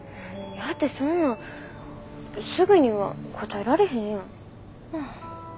やってそんなんすぐには答えられへんやん。